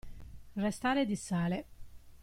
Restare di sale.